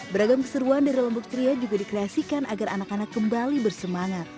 beragam keseruan dari lombok tria juga dikreasikan agar anak anak kembali bersemangat